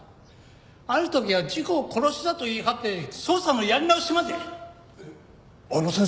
ある時は事故を殺しだと言い張って捜査のやり直しまで。